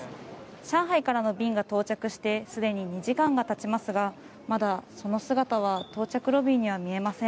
上海からの便が到着してすでに２時間がたちますがまだその姿は到着ロビーには見えません。